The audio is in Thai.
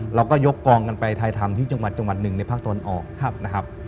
เราก็ยกกองไปถ่ายธรรมที่จังหวัดหนึ่งในภาคตนออกนะครับ